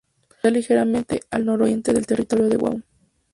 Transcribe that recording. Está ligeramente al nororiente del territorio de Guam.